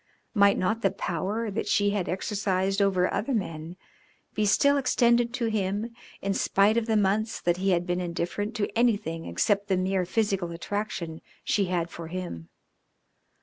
Might not the power that she had exercised over other men be still extended to him in spite of the months that he had been indifferent to anything except the mere physical attraction she had for him?